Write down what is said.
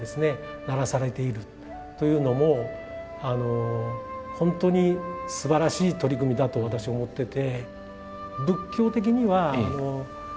鳴らされているというのも本当にすばらしい取り組みだと私思ってて。